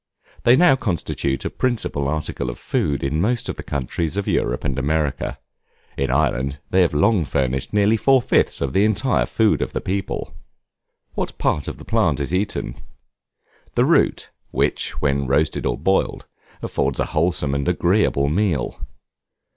They now constitute a principal article of food in most of the countries of Europe and America; in Ireland, they have long furnished nearly four fifths of the entire food of the people. What part of the plant is eaten? The root, which, when roasted or boiled, affords a wholesome and agreeable meal.